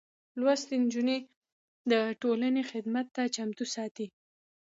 لوستې نجونې د ټولنې خدمت ته چمتو ساتي.